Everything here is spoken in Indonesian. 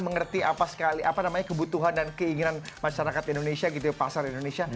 mengerti apa namanya kebutuhan dan keinginan masyarakat indonesia pasar indonesia